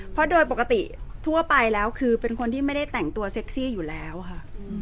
เพราะโดยปกติทั่วไปแล้วคือเป็นคนที่ไม่ได้แต่งตัวเซ็กซี่อยู่แล้วค่ะ